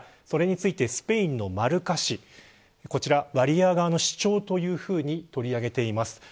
それについてスペインのマルカ紙ワリエワ側の主張というふうに取り上げています。